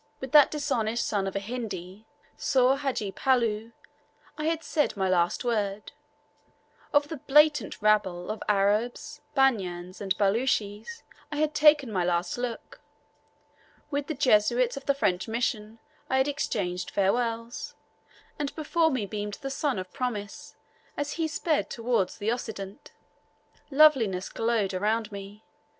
With that dishonest son of a Hindi, Soor Hadji Palloo, I had said my last word; of the blatant rabble, of Arabs, Banyans, and Baluches I had taken my last look; with the Jesuits of the French Mission I had exchanged farewells, and before me beamed the sun of promise as he sped towards the Occident. Loveliness glowed around me.